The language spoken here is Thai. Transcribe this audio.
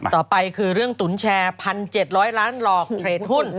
ต่อไปคือเรื่องตุ๋นแชร์๑๗๐๐ล้านหลอกเทรดหุ้น